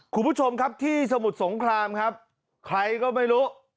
คุณผู้ชมครับที่สมุทรสงครามครับใครก็ไม่รู้